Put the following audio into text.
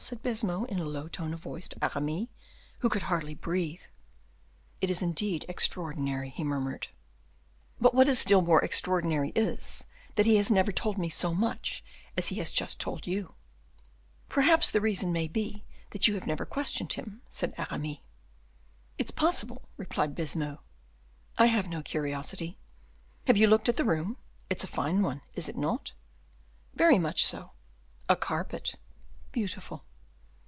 said Baisemeaux, in a low tone of voice, to Aramis, who could hardly breathe. "It is indeed extraordinary," he murmured. "But what is still more extraordinary is, that he has never told me so much as he has just told you." "Perhaps the reason may be that you have never questioned him," said Aramis. "It's possible," replied Baisemeaux; "I have no curiosity. Have you looked at the room? it's a fine one, is it not?" "Very much so." "A carpet " "Beautiful."